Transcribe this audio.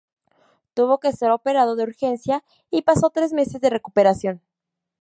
Tuvo que ser operado de urgencia y pasó tres meses de recuperación.